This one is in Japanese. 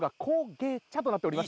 「げ」「茶」となっております